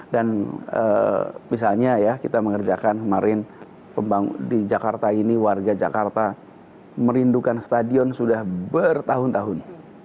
dan misalnya ya kita mengerjakan kemarin di jakarta ini warga jakarta merindukan stadion sudah bertahun tahun